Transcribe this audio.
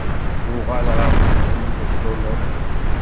Uɣal ɣer tmurt anida i tluleḍ.